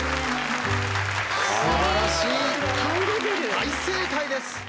大正解です。